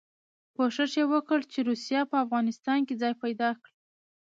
کوښښ یې وکړ چې روسیه په افغانستان کې ځای پیدا کړي.